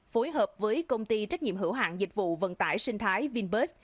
phối hợp với công ty trách nhiệm hữu hạng dịch vụ vận tải sinh thái vinbus